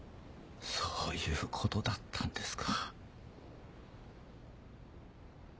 そういうことだったんですか。